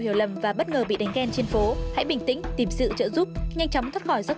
mày làm sao tao không gặp mày từ lâu lắm rồi đấy